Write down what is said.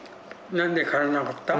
何で帰らなかった？